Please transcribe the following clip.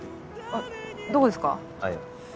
あっどこですか？